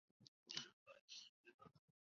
古坟周围配置了穿着短甲的武人样式的石人。